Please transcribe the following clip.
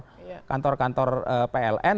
tapi kan tidak semua orang pergi kantor pln